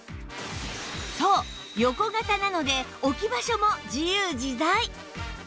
そう横型なので置き場所も自由自在